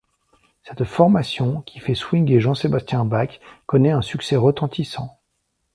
Cette formation, qui fait swinguer Jean-Sébastien Bach, connaît un succès retentissant.